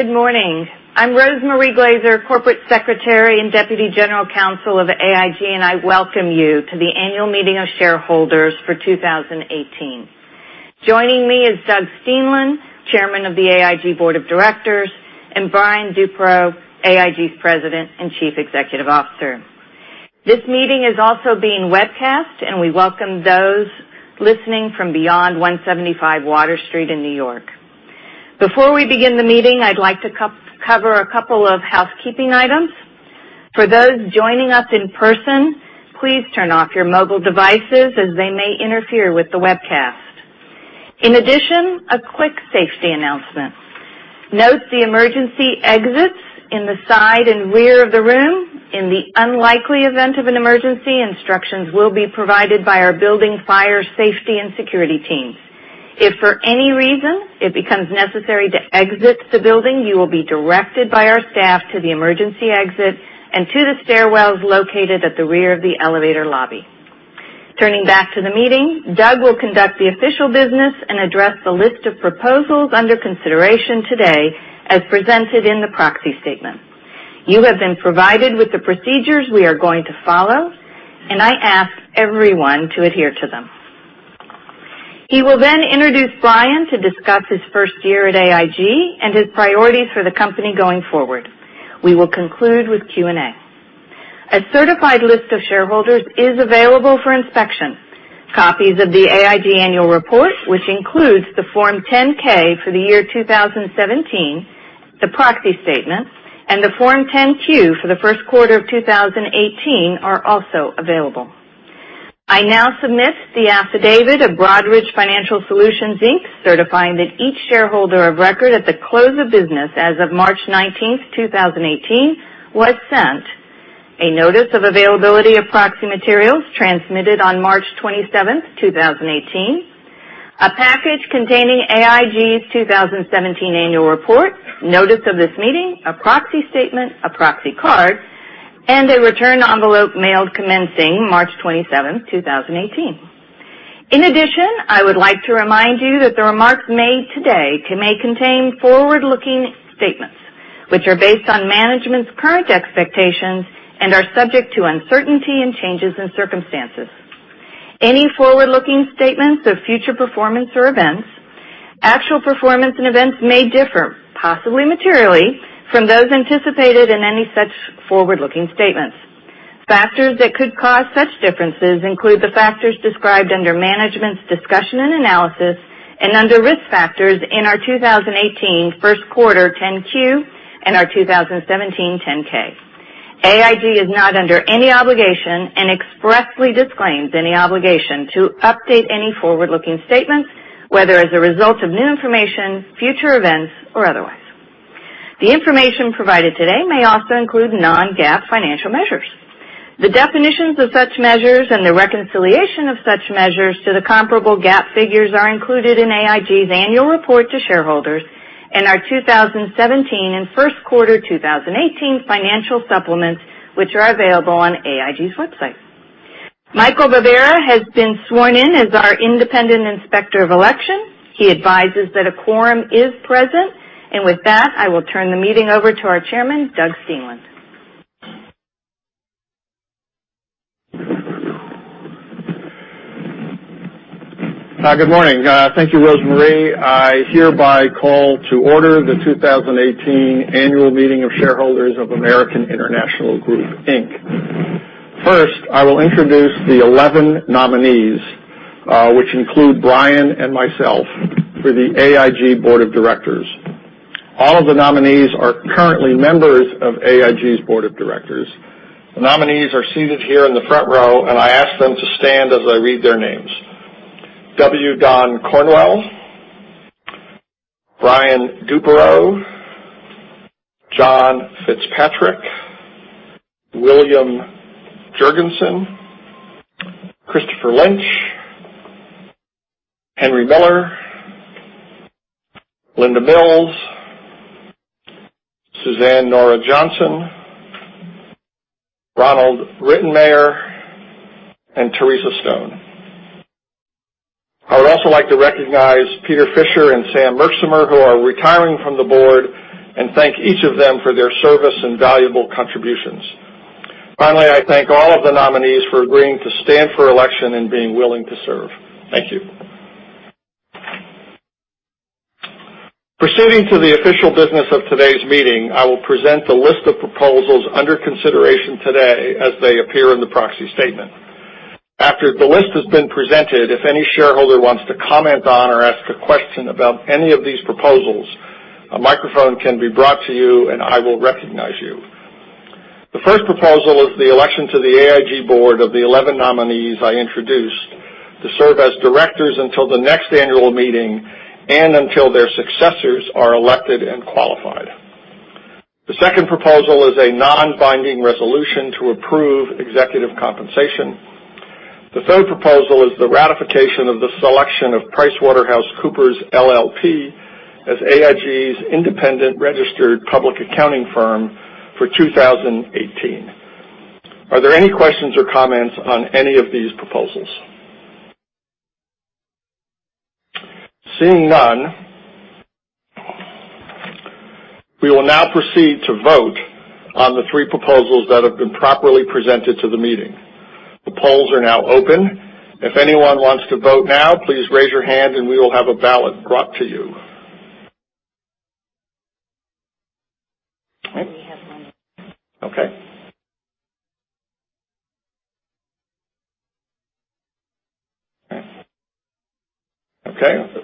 Good morning. I'm Rose Marie Glazer, Corporate Secretary and Deputy General Counsel of AIG, and I welcome you to the annual meeting of shareholders for 2018. Joining me is Doug Steenland, Chairman of the AIG Board of Directors, and Brian Duperreault, AIG's President and Chief Executive Officer. This meeting is also being webcast, and we welcome those listening from beyond 175 Water Street in New York. Before we begin the meeting, I'd like to cover a couple of housekeeping items. For those joining us in person, please turn off your mobile devices as they may interfere with the webcast. A quick safety announcement. Note the emergency exits in the side and rear of the room. In the unlikely event of an emergency, instructions will be provided by our building fire, safety, and security teams. If for any reason it becomes necessary to exit the building, you will be directed by our staff to the emergency exit and to the stairwells located at the rear of the elevator lobby. Turning back to the meeting, Doug will conduct the official business and address the list of proposals under consideration today as presented in the proxy statement. You have been provided with the procedures we are going to follow, and I ask everyone to adhere to them. He will then introduce Brian to discuss his first year at AIG and his priorities for the company going forward. We will conclude with Q&A. A certified list of shareholders is available for inspection. Copies of the AIG annual report, which includes the Form 10-K for the year 2017, the proxy statement, and the Form 10-Q for the first quarter of 2018 are also available. I now submit the affidavit of Broadridge Financial Solutions, Inc., certifying that each shareholder of record at the close of business as of March 19th, 2018 was sent a notice of availability of proxy materials transmitted on March 27th, 2018, a package containing AIG's 2017 annual report, notice of this meeting, a proxy statement, a proxy card, and a return envelope mailed commencing March 27th, 2018. I would like to remind you that the remarks made today may contain forward-looking statements which are based on management's current expectations and are subject to uncertainty and changes in circumstances. Any forward-looking statements of future performance or events, actual performance and events may differ, possibly materially, from those anticipated in any such forward-looking statements. Factors that could cause such differences include the factors described under Management's Discussion and Analysis and under Risk Factors in our 2018 first quarter 10-Q and our 2017 10-K. AIG is not under any obligation and expressly disclaims any obligation to update any forward-looking statements, whether as a result of new information, future events, or otherwise. The information provided today may also include non-GAAP financial measures. The definitions of such measures and the reconciliation of such measures to the comparable GAAP figures are included in AIG's annual report to shareholders and our 2017 and first quarter 2018 financial supplements, which are available on AIG's website. Michael Barbera has been sworn in as our independent inspector of election. He advises that a quorum is present. With that, I will turn the meeting over to our chairman, Doug Steenland. Hi, good morning. Thank you, Rose Marie. I hereby call to order the 2018 annual meeting of shareholders of American International Group, Inc. First, I will introduce the 11 nominees, which include Brian and myself for the AIG Board of Directors. All of the nominees are currently members of AIG's Board of Directors. The nominees are seated here in the front row, and I ask them to stand as I read their names. W. Don Cornwell, Brian Duperreault, John Fitzpatrick, William Jurgensen, Christopher Lynch, Henry Miller, Linda Mills, Suzanne Nora Johnson, Ronald Rittenmeyer, and Theresa Stone. I would also like to recognize Peter Fisher and Sam Merksamer, who are retiring from the board, and thank each of them for their service and valuable contributions. Finally, I thank all of the nominees for agreeing to stand for election and being willing to serve. Thank you. Proceeding to the official business of today's meeting, I will present the list of proposals under consideration today as they appear in the proxy statement. After the list has been presented, if any shareholder wants to comment on or ask a question about any of these proposals, a microphone can be brought to you, and I will recognize you. The first proposal is the election to the AIG Board of the 11 nominees I introduced to serve as directors until the next annual meeting and until their successors are elected and qualified. The second proposal is a non-binding resolution to approve executive compensation. The third proposal is the ratification of the selection of PricewaterhouseCoopers LLP as AIG's independent registered public accounting firm for 2018. Are there any questions or comments on any of these proposals? Seeing none, we will now proceed to vote on the three proposals that have been properly presented to the meeting. The polls are now open. If anyone wants to vote now, please raise your hand and we will have a ballot brought to you. We have one. Okay. Okay.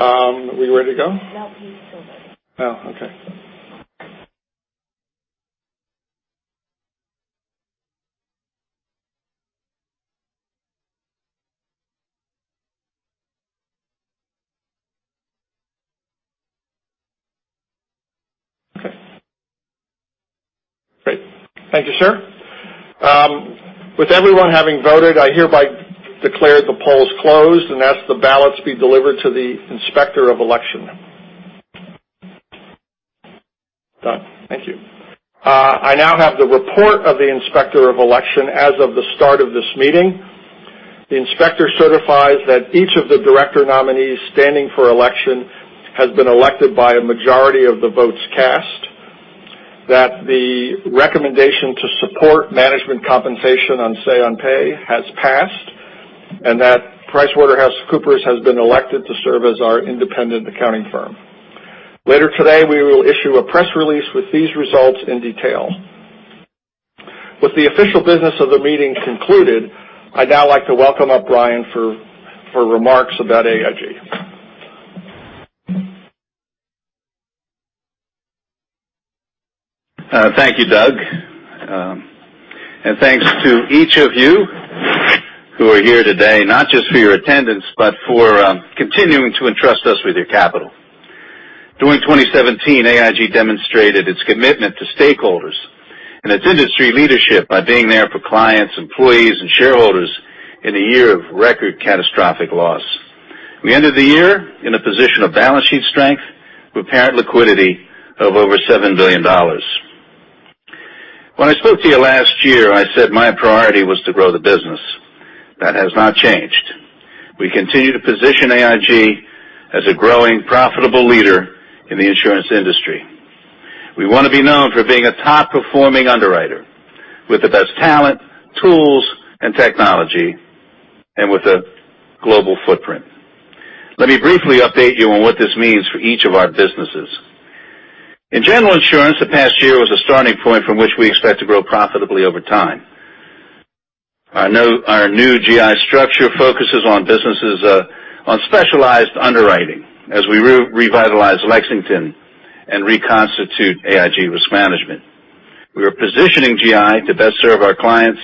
Are we ready to go? No, he's still voting. Oh, okay. Okay. Great. Thank you, sir. With everyone having voted, I hereby declare the polls closed and ask the ballots be delivered to the Inspector of Election. Done. Thank you. I now have the report of the Inspector of Election as of the start of this meeting. The inspector certifies that each of the director nominees standing for election has been elected by a majority of the votes cast, that the recommendation to support management compensation on say on pay has passed, and that PricewaterhouseCoopers has been elected to serve as our independent accounting firm. Later today, we will issue a press release with these results in detail. With the official business of the meeting concluded, I'd now like to welcome up Brian for remarks about AIG. Thank you, Doug. Thanks to each of you who are here today, not just for your attendance, but for continuing to entrust us with your capital. During 2017, AIG demonstrated its commitment to stakeholders and its industry leadership by being there for clients, employees, and shareholders in a year of record catastrophic loss. We ended the year in a position of balance sheet strength with parent liquidity of over $7 billion. When I spoke to you last year, I said my priority was to grow the business. That has not changed. We continue to position AIG as a growing profitable leader in the insurance industry. We want to be known for being a top-performing underwriter with the best talent, tools, and technology, and with a global footprint. Let me briefly update you on what this means for each of our businesses. In General Insurance, the past year was a starting point from which we expect to grow profitably over time. Our new GI structure focuses on businesses on specialized underwriting as we revitalize Lexington and reconstitute AIG Risk Management. We are positioning GI to best serve our clients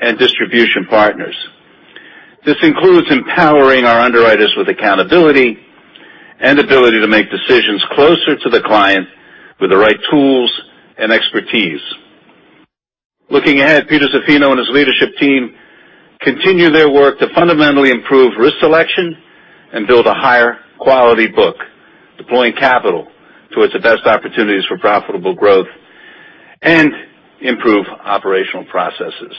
and distribution partners. This includes empowering our underwriters with accountability and ability to make decisions closer to the client with the right tools and expertise. Looking ahead, Peter Zaffino and his leadership team continue their work to fundamentally improve risk selection and build a higher quality book, deploying capital towards the best opportunities for profitable growth, and improve operational processes.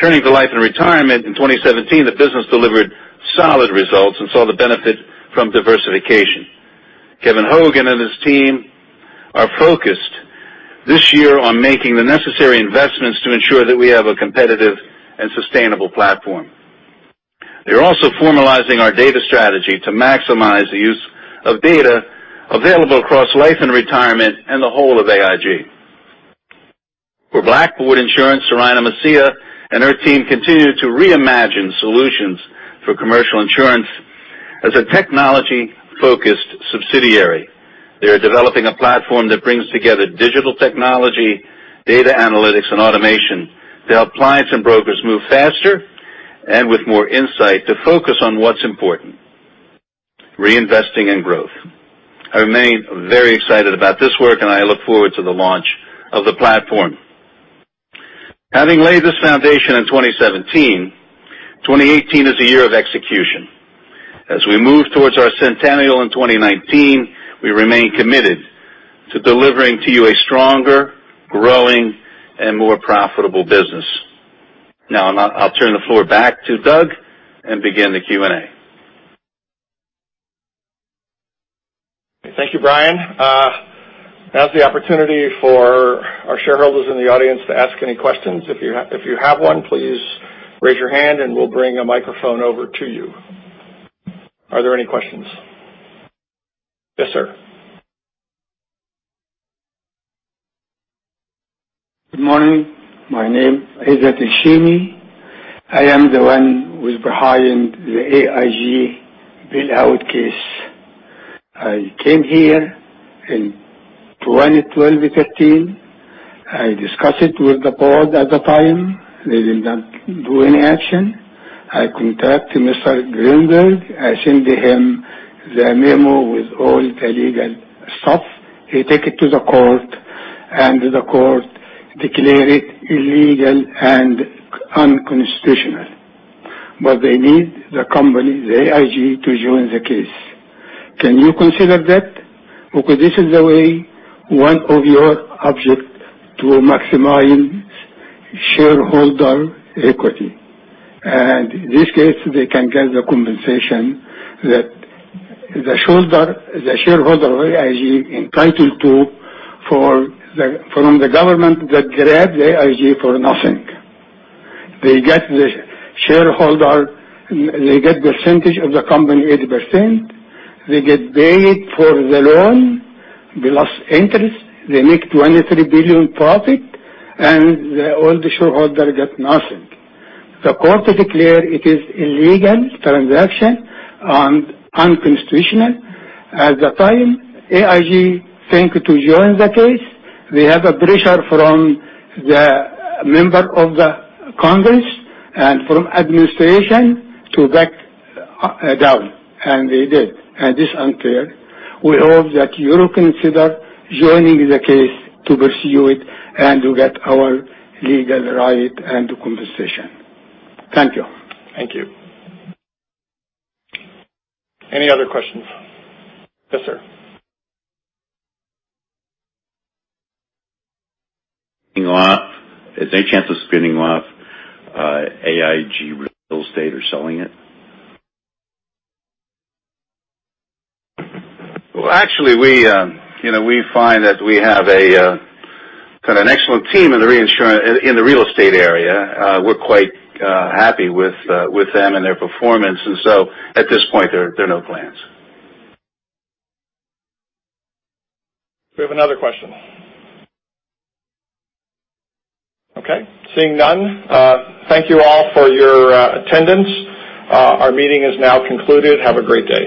Turning to Life & Retirement, in 2017, the business delivered solid results and saw the benefit from diversification. Kevin Hogan and his team are focused this year on making the necessary investments to ensure that we have a competitive and sustainable platform. They're also formalizing our data strategy to maximize the use of data available across Life & Retirement and the whole of AIG. For Blackboard Insurance, Seraina Macia and her team continue to reimagine solutions for commercial insurance as a technology-focused subsidiary. They are developing a platform that brings together digital technology, data analytics, and automation to help clients and brokers move faster and with more insight to focus on what's important, reinvesting in growth. I remain very excited about this work, and I look forward to the launch of the platform. Having laid this foundation in 2017, 2018 is a year of execution. As we move towards our centennial in 2019, we remain committed to delivering to you a stronger, growing, and more profitable business. Now, I'll turn the floor back to Doug and begin the Q&A. Thank you, Brian. Now's the opportunity for our shareholders in the audience to ask any questions. If you have one, please raise your hand and we'll bring a microphone over to you. Are there any questions? Yes, sir. Good morning. My name is Ezat Hashimi. I am the one who is behind the AIG bailout case. I came here in 2012, 2013. I discussed it with the board at the time. They did not do any action. I contact Mr. Greenberg. I send him the memo with all the legal stuff. He take it to the court, and the court declare it illegal and unconstitutional. They need the company, the AIG, to join the case. Can you consider that? Because this is one of your objects, to maximize shareholder equity. In this case, they can get the compensation that the shareholder of AIG is entitled to from the government that grabbed AIG for nothing. They get the shareholder, they get percentage of the company, 80%. They get paid for the loan plus interest. They make $23 billion profit, and all the shareholders get nothing. The court declared it is illegal transaction and unconstitutional. At the time, AIG think to join the case. They have a pressure from the member of the Congress and from administration to back down, and they did, and this is unfair. We hope that you consider joining the case to pursue it and to get our legal right and compensation. Thank you. Thank you. Any other questions? Yes, sir. Is there a chance of spinning off AIG Real Estate or selling it? Well, actually, we find that we have kind of an excellent team in the real estate area. We're quite happy with them and their performance. At this point, there are no plans. We have another question. Okay, seeing none. Thank you all for your attendance. Our meeting is now concluded. Have a great day.